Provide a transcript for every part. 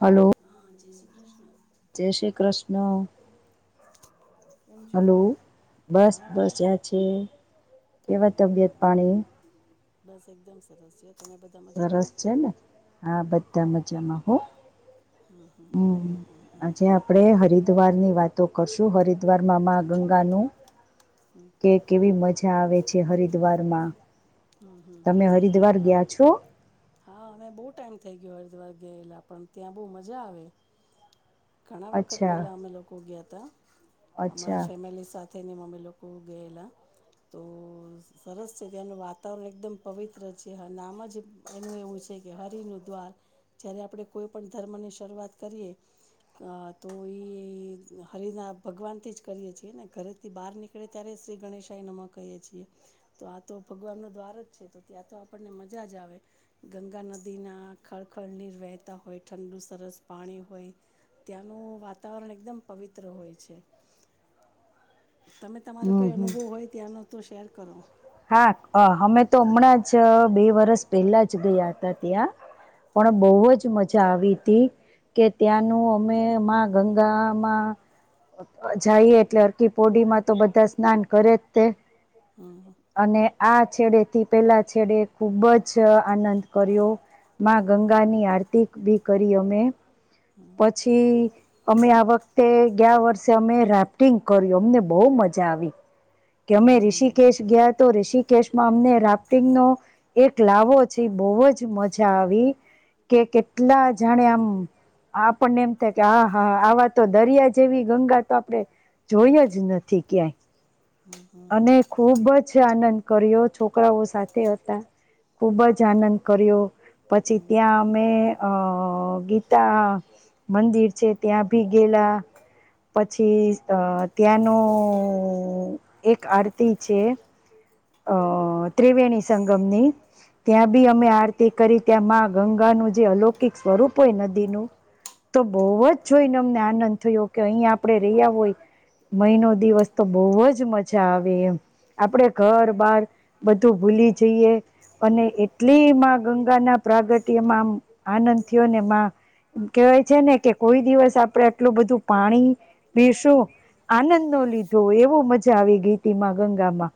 Hello હા જય શ્રી કૃષ્ણ. જય શ્રી કૃષ્ણ હમ્મ કેમ છો? હલો બસ હા બસ આયા છે કેવા તબિયત પાણી બસ એકદમ સરસ તમે બધા સરસ મજામાં છે ને હા બધા મ જા માં હો હમ્મ આજે આપડે હરિદ્વાર ની વાત તો કરશું હરિદ્વારમાં મા ગંગાનું કે કેવી મજા આવે છે હરિદ્વારમાં હ હ હ તમે હ હરિદ્વાર હ ગયા છો હા અવે બો ટાઈમ થઇ ગયો દ્વાર ગયેલા પણ ત્યાં બો મજા આવી ઘણા વખત અચ્છા પેલા અમે લોકો ગયા તા તો અચ્છા અમારા ફેમિલી સાથે થઈને અમે લોકો ગયેલા તો સરસ છે ત્યાંની વાત વાતાવરણ એકદમ પવિત્ર છે નામ જ એનું એવું છે કે હરિનું દ્વાર જય્યારે આપણે કોઈ પણ ધર્મની શરૂઆત કરીએ તો એ હરિના ભગવાનથી જ કરીએ છીએ ને ઘરેથી બહાર નીકળે ત્યારે શ્રી ગણેશાઈ નમાં કહીએ છીએ તો આ તો ભગવાનનો દ્વાર છે તો ત્યાં તો આપણને મજા જ આવે ગંગા નદી ના ખળખળનીર વહેતા હોય ઠંડુ સરસ પાણી હોય ત્યાંનું વાતાવરણ એકદમ પવિત્ર હોય છે તમે તમારે હમ કોઈ હમ અનુભવ હોય ત્યાંનો તો શેર કરો હા અમે તો હમણાં જ બે વરસ પહેલા જ ગયા હતા ત્યાં પણ બહુ જ મજા આવી હતી કે ત્યાંનું અમે ગંગામાં જઈએ એટલે અરકી પોડીમાં તો બધા સ્નાન કરે જ તે હમ અને આ છેડેથી પેલા છેડે ખુબ જ આનંદ કર્યો માં ગંગા ની આરતી બી કરી અમે હમ પછી [unintelligible] અમે આ વખતે ગયા વર્ષે અમે રાફ્ટિંગ કર્યું અમને બહુ મજા આવી કે અમે હમ ઋષિકેશ ગયા તો ઋષિક કેશમાં અમને રાફ્ટિંગ નો એક લાવો છે બહુ જ મજા આવી કે કેટલા જાણે આમ આપણને એમ થાય કે હા હા આવા તો દરિયા જેવી ગંગા તો આપડણે જોય જ નથી ક્યાંય હમ અને હમ ખુબ જ છે આનંદ કર્યો છોકરાઓ સાથે હતા ખૂબ જ આનંદ કર્યો પછી હમ ત્યાં અમે અ ગીતા મંદિર છે ત્યાં ભી ગેલા પછી અ ત્યાંનો એક આરતી છે અ ત્રિવેણી સંગમની ત્યાં બી અમે આરતી કરી ત્યાં માં ગંગાનું જે અલૌકિક સ્વરૂપ હોય નદીનું તો બહુ જ જોઈને અમને આનંદ થયો કે અહીં આપડણે ર્યા હોય મહિનો દિવસ તો બહુ જ મજા આવે એમ આપણે ઘર બાર બધું ભૂલી જઈએ અને એટલી મા ગંગા ના પ્રાગટ્યમાં આમ આનંદ થયો ને કહેવાય છે ને કે કોઈ દિવસ આપણેે આટલું બધું પાણી પીશું આનંદ ન લીધો એવું મજા આવી ગઈ હતી માં ગંગામાં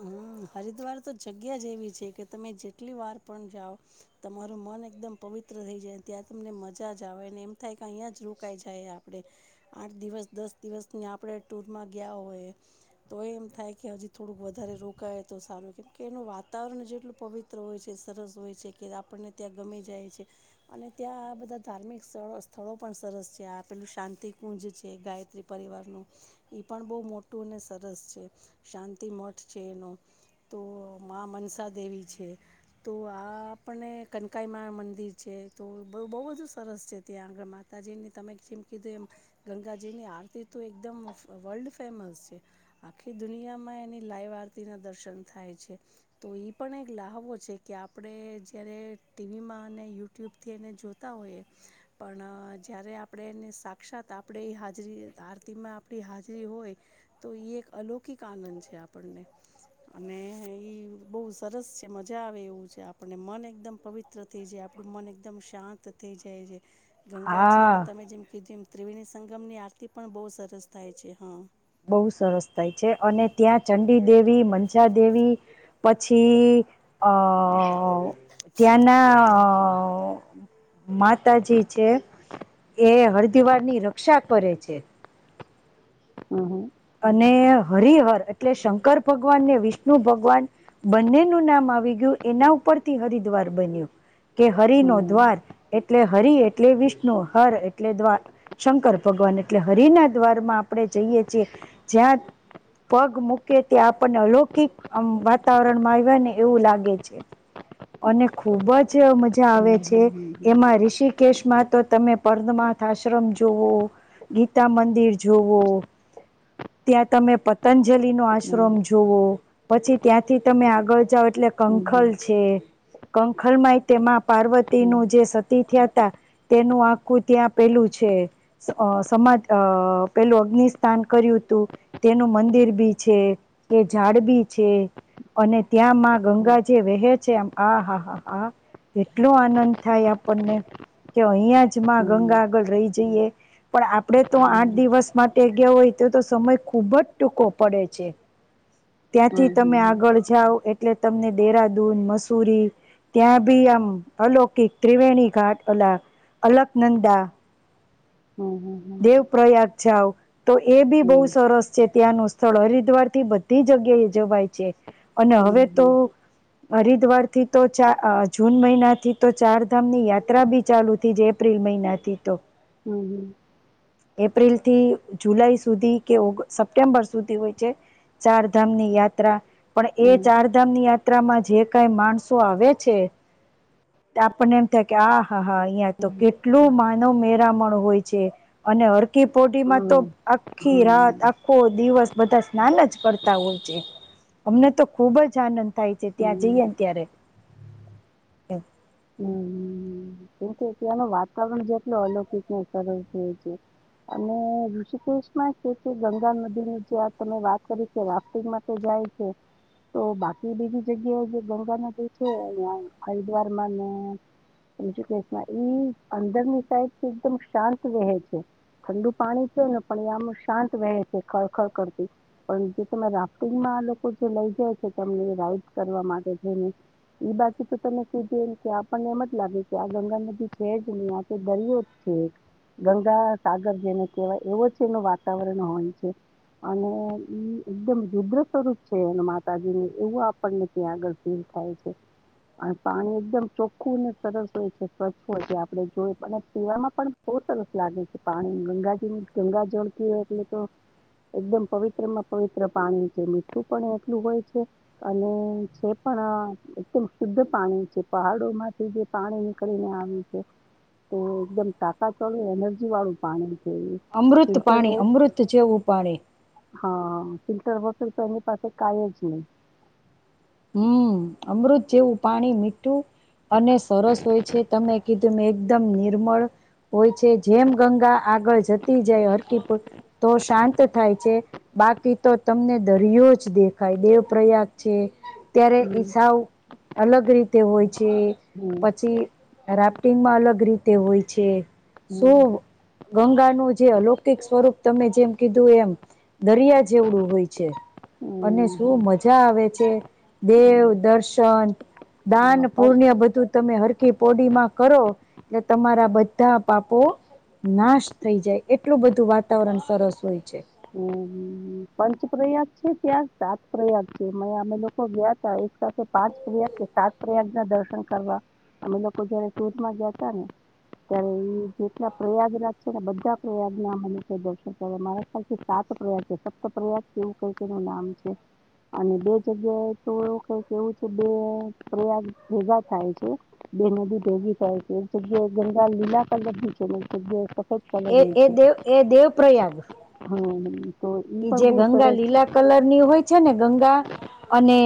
હમ હરિદ્વાર તો જગ્યા જ એવી છે કે તમે જેટલી વાર પણ જાઓ તમારું મન એકદમ પવિત્ર થઈ જાય ત્યાં તમને મજા જ આવે એમ થાય કે અહીં જ રોકાઈ જાય આપડે આઠ દિવસ દસ દિવસ આપડે ટુરમાં ગયા હોય તો એમ થાય કે હજી થોડુંક વધારે રોકાય તો સારું કેમ કે એનું વાતાવરણ જેટલું પવિત્ર હોય છે સરસ હોય છે કે આપણને ત્યાં ગમી જાય છે અને ત્યાં આ બધા ધાર્મિક સ્થ સ્થળો પણ સરસ છે આ પેલું શાંતિકુંજ છે ગાયત્રી પરિવારનું એ પણ બહુ મોટું અને સરસ છે શાંતિ મો છેનો તો મા મનસા દેવી છે તો આ આપણને કંકાઈમા મંદિર છે તો બ બહુ બધું સરસ છે ત્યાં આગળ માતાજીની તમે જેમ કીધું એમ ગંગાજીની આરતી તો એકદમ વર્લ્ડ ફેમસ છે આખી દુનિયામાં એની લાઈવ આરતીના દર્શન થાય છે તો એ પણ એક લ્હાવો છે કે આપણે જ્યારે ટીવીમાં અને યુટ્યુબથી એને જોતા હોઈએ પણ જ્યારે આપણે એને સાક્ષાત આપણે એ હાજરી આરતીમાં આપણી હાજરી હોય તો એ એક અલૌકિક આનંદ છે આપણે આપને અને ઈ બહુ સરસ છે મજા આવે એવું છે આપણને મન એકદમ પવિત્ર થઈ જાય આપણું મન એકદમ શાંત થઈ જાય છે હા ગંગાજીને તમે જેમ કીધું એમ ત્રિવેણી સંગમ ની આરતી પણ બહુ સરસ થાય છે હા બહુ સરસ થાય છે અને ત્યાં ચંડીદેવી મંજા દેવી પછી અ ત્યાંના અ માતાજી છે એ હરદવાર ની ર રક્ષા કરે છે હ હ અને હરિહર એટલે શંકર ભગવાન ને વિષ્ણુ ભગવાન બંનેનું નામ આવી ગયું એના ઉપરથી હરિદ્વાર બન્યું કે હરિ નો કેમકે દ્વાર એટલે હરિ એટલે વિષ્ણુ હર એટલે દ્વાર શંકર ભગવાન એટલે હરિ ના દ્વાર માં આપણે જઈએ છીએ જ્યાં પગ મૂકે ત્યાં આપણને અલૌકિક વાતાવરણમાં આવ ને એવું લાગે છે અને ખુબ જ મજા ત્યાંનું આવે છે એમાં રિષિક કેશ માં તો તમે પર્મમાથ આશ્રમ જવો ગીતા કમંદિર જવો ત્યાં તમે પતંજ. જલી નો આશ્રમ જોવો. પછી ત્યાંથી તમે આગળ જાઓ એટલે કંખલ છે કંખલ ય તેમાં પાર્વતી નું જે સતી થયા તેનું આખું ત્યાં પેલું છે, સમાજ અ પેલું અગ્નિસ્થાન કર્યું હતું, તેનું મંદિર બી છે, એ ઝાડ બી છે, અને ત્યાંમાં ગંગા જે વહે છે હા હા હા હા એટલો આનંદ થાય આપણને, કે અહિયાં જ માં ગંગા આગળ રહી જઈએ, પણ આપ આપડે તો આઠ દિવસ માટે ગ હોય તો તો સમય ખુબ જ ટૂંકો પડે છે. ત્યાંથી તમે આગળ જાઓ એટલે તમને ડેરાદૂ મસ સુરી, ત્યાં ભી આમ અલૌકિક ત્રિવેણી ઘાટ, અલ અલકનંદા. દેવ પ્રયાગ જાવ. તો એ બી બહુ સરસ છે ત્યાં નુ. સળહરિદ્વાર થી બધી જગ્યા જવવાય છે. અને હવે તો હરિદ્વાર થી તો ચાર જૂન મહિના થી તો ચારધામ ની યાત્રા બી ચાલુ થી જ એપ્રિલ મહિના થી તો. હમ હમ. એપ્રિલ થી જુલાઈ સુધી કે ઓગ સપ્ટેમ્બર સુધી હોય છે, ચારધામની યાત્રા, પણ એ ચારધામ ની યાત્રામાં જે કઈ માણસો આવે છે, આપણને એમ થાય કે આ હા હા અહિયાં તો કેટલું માનવ મેરા હોય છે. અને હ કે પોડીમાં તો આખી રાત આખો દિવસ બધા સ્નાન જ કરતા હોય છે, અમને તો ખુબ જ આનંદ થાય છે ત્યાં જઈએ ત્યારે. હમ. હ કેમકે ત્યાંનું વાતાવરણ જેટલું અલૌકિકને સરળ થ છે, અને ઋષિકેશમાં છે કે ગંગા નદી ની જં તમે વાત કરી છે રાફ્ટિંગ માટે જાય છે, તો બાકી બીધી જગ્યાએ જે ગંગા નદી છે અ હરિદ્વાર અંદરની સાઈડ એકમ શાંત વહે છે, ઠંડુ પાણી છે ને પણ એ આમ શાંત વહે છે ખળખળ કરતી, પણ જે તમે રાફ્ટિંગમાં લોકો જે લઈ જાય છે તને રાઈડ કરવા માટે જઈને, બાજુ તો તમે આપણને એમ જ લાગે કે આ ગંગા નદી છે જ નહી આ તે દરિયો જ છે, ગંગા સાગર જેને કહેવાય એવો છે એનું વાતાવરણ હોય છે, અને એકદમ રુદ્ર સ્વરૂપ છે એ માતાજીને એવું આપણને ત્યાં આગળ ફીલ થાય છે. પાણી એકદમ ચોખ્ખું અને સરસ હોય છે સ્વચ્છ હોય છે આપણે જો અને પીવામાં પણ બહુ સરસ લાગે છે પાણી ગંગાજી ગંગા જળકી હોય એટલે તો, એકદમ પવિત્ર માં પવિત્ર પાણી છે મીઠું પણ એટલું હોય છે, અને છે પણ એકદમ શુદ્ધ પાણી છે પહાડો માંથી જે પાણી નીકળીને આવ છે, તે એકદમ ટાકા ચોલું એનર્જી વાળું પાણી. છે એ અમૃત ફિલ્ટર પાણી અમૃત જેવું પાણી. હા ફિલ્ટર બસલ તની પાસે કઈ જ નહી. હમ અમૃત જેવું પાણી મીઠું અને સરસ હોય છે તમે કે તમે એકદમ નિર્મળ, હોય છે જેમ ગંગા આગળ જતી જાય હરકીપુર, તો શાંત થાય છે, બાકી તો તમને દરિયો જ દેખાય દેવ પ્રયાગ છે. અત્યારે હમ એઈસવ અલગ રીતે હોય. પછી હમ પછી રાફ્ટિંગમાં અલગ રીતે હોય છે. સો હમ ગંગાનુંું જે અલૌકિક સ્વરૂપ તમે જેમ કીધું એમ દરિયા જેવડું હોય છે અને હમ શું મજા આવે છે હમ દેવ હમ દર્શન હા દાન પણ પુણ્ય બધું તમે હર ી પોડીમાં કરો એટલે તમારા બધા પાપો નાશ થઈ જાય એટલું બધું વાતાવરણ સરસ હોય છે. હમ પંચ પ્રયાગ છે ત્યાં સાત પ્રયાગ છે અમે લોકો ગયા ત એક સાથે પાંચ પ્રયાગ કે સાત પ્રયાગ ના દર્શન કરવા અમે લોકો જયારે સુૂરમાં ગયા ત ને ત્યારે એ જેટલા પ્રયાગરાજ છે ને બધા પ્રયાગ ના મને દર્શન કરવા મારા સાત પ્રયાગ છે સપત પ્રયાગ એવું કઈક એનું નામ છે અને બે જગ્યાએ તો એવું કઈ એવું છે બે પ્રયાગ ભેગા થાય છે બે નદી ભેગી થાય છે એક જગ્યાએ ગંગા લીલા પર લી છે એક જગ્યાએ સફેદ કલર એ ની એ દેવ એ દેવ પ્ર્રયાગ હમ. એ જે ગંગા લીલા કલર ની હોય છે ને ગંગા અને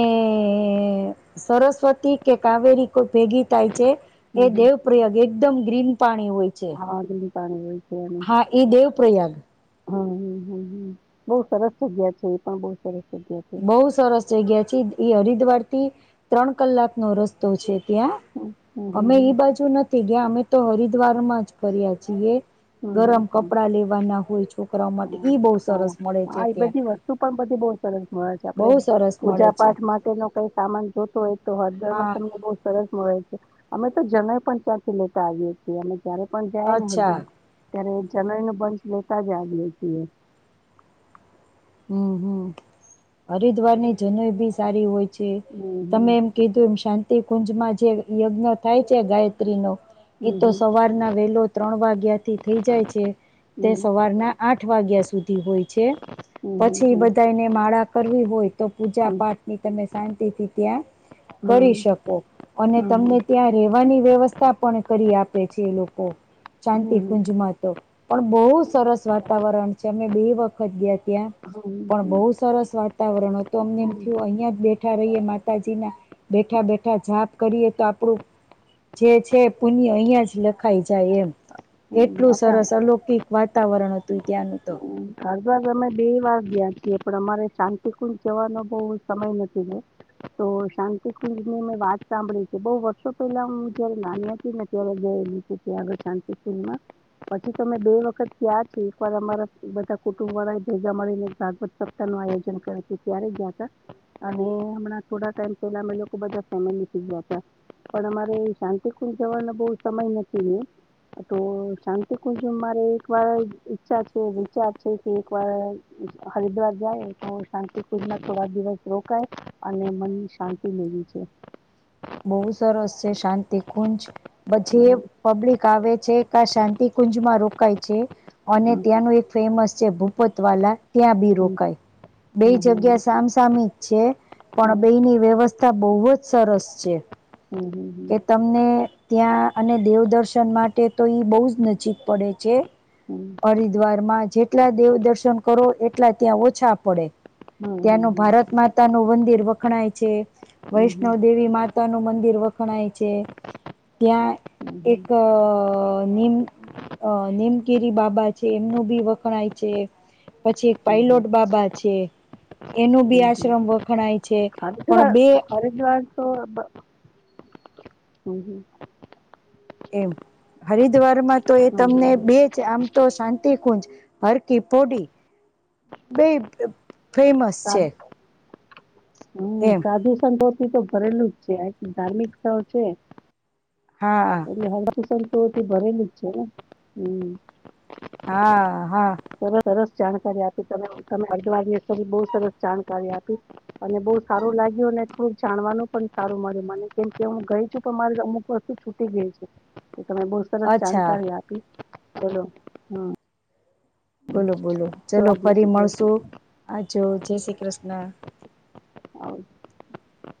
સરસ્વતી કે કાવેરી કોઈ ભેગી થાય છે એ હમ હમ દેવ પ્ર્રયગ એકદમ ગ્રીન પાણી વય છે. હાડનું પાણી છે અને હા એ દેવ પ્ર્રયાગ હમ હમ બઉુ સરસ જગ્યા છે એ પણ બહ સરસ જગ્યા છે બઉુ સરસ જગ્યા છે એ હ વાર થી ત્રણ કલાક નો રસ્તો છે. ત્યાં હમ હમ હમ અમે હમ એઈ બાજુ નથી ગયા અમે તો હરિદ્વાર માં જ ફર્યા છીએ. ગરમ કપડા લેવાના હોય છો. હ હા હા એ બધી વસ્તુ પણ પધી બહ સરસ હોય આપ બહુ સરસ મળે પૂજા છે પાઠ માટે ન કઈ સામાન જોતો હોય તો હદર માં હા તમને બહુ સરસ મળે છે અમે તો જણય પણ ત્યાંથી લેતા આવીએ છીએ અમે. ત્યારે પણ જાય ને હજ્ અચ્છા અત્યારે જનઈ ન બંશ લેતા જ આવીએ. [inaudible] હમ હમ હરિદ્વારની જનઈ બી સારી હોય. હમ તમે હમ એમ કીધું એમ શાંત. કુંજમાં જે યજ્ઞ થાય છે ગાયત્રી નો. એ તો હમ સવારના વેલો ત્રણ વાગ્યા થી થઈ જાય છે. તે હમ સવારના આઠ વાગ્યા સુધી. હોય છે. હમ હમ હમ પછી હમ બધાને માળા કરવી હોય તો પૂજા પાઠ ની તમે શાંતિથી ત્યાં કરી હમ શકો. હમ અને તમને હમ ત્યાં રહેેવાની વ્યવસ્થા પણ કરી આપે છે. એ લોકો હમ શાંતિ હમ કુંજમાં તો પણ બહુ સરસ વાતાવરણ છે. અમે બે વખત ગયા ત્યા. હમ હમ પણ બહુ હમ સરસ વાતાવરણ તો અમને એમ થયું હમ અહિયાં બેઠ. ઠા રહીએ માતાજીના બેઠા બેઠા જાપ કરીએ તો. આપણું જે છે પુણ્ય અહિયાં જ લખાઈ જાય એમ. એટલું અમે સરસ અલૌકિક વાતાવરણ હતું. તઈ તેનું. હમ ઘરબ. અમે બે વાર ગયા છીએ પણ અમારે શાંતિકુંજ જવાનો બહ સમય નથી. ગ તો શાંતિકુંજ ની મેં વાત સાંભળી છે. બહુ વર્ષો પહેલા હું જયારે નાની હતી ને ત્યારે ગયેલીીું આગળ શાંતિકુંલમાં પછીમે બે વખત ગયા છ. એક વાર અમારા. બધા કુટુંબ વાળા ભેગા મળીને ભાગવત સપ્તાહ નું આયોજન કર ત્યારે ગયા હતા. અને હમણાં થોડા ટાઈમ પેલા અમે લોકો બધા ફેમિલી થી ગયા પણ અમારે શાંતિકુંજ જવાનો બહ સમય નથી. તો શાંતિકુંજ મારે એક વાર ઈચ્છા. છે. કે એક વાર હરિદ્વાર જાય તો શાંતિ પૂજમાં થોડા દિવસ રોકાય અને મન. શાંતિ મેવી છે. બહુ સરસ છે. શાંત કુંજ હમ બછી પબ્લિક આવે છે કે શાંત કુંજમાં રોકાય છે. અને હમ ત્યાંનું એક ફેમસ. જે ભૂપોત વાલાા. ત્યાં બી હમ રોકાય. બે હમ જગ્યા સામસામી જ છે પણ બેની વ્યવસ્થા. ત બહુત. સરસ. હમ હમ કે તમને. ત્યાં અને દેવદર્શન માટે તો એ બહુ જ ન જીક પડે છે. હમ હમ હરિદ્વાર માં જેટલા દેવ દર્શન કરો એ. એટલા ત્યાં ઓછા પડે. હમ હમ હમ હમ હમ હમ હમ હમ ત્યાંનું હમ ભારત માતા નું મંદિર. ખણાય છે. વૈષ્ણવ દેવી માતા. મંદિર વખણાાય છે. ત્યાં એક. મ અ નીમકેરી બાબા છે. એમનું ભી વખણાય છે. પછી એક પાયલોટ બાબા છે.. એનું બી આશ્રમ વખણાય છે. પણ બે.. હમ્મ-હમ્મ. એમ, હરિદ્વારમાં તો એ હમ તમને હમ બે જ આમ તો શાં તિકુંજ, હરકી પોડી બેય ફેમસ છે. હમ્મ એમ સાધું સંતો ઈ તો ભરેલું જ છે. આ એક ધાર્મિક સ્થળો છે હા એટલે [unintelligible] તો તે ભરેલું જ છે ને, હમ્મ. હા. હા એવા સરસ જાણકારી આપી તમે તમે હરિદ્ધાર ગયા તમે બહું સરસ જાણકારી આપી, અને બહુ સારું લાગ્યું અને થોડુંક જાણવાનું પણ સારું મળ્યું મને, કેમકે હું ગઈ છું, પણ મારે અમુક વસ્તુ છૂટી ગઈ છે. તો તમે બહુ સરસ અચ્છા જાણકારી આપી. ચલો, હા. બોલો-બોલો, ચલો ફરી શ્રી મળશુ, કૃષ્ણ આજો જય શ્રી કૃષ્ણા. [inaudible]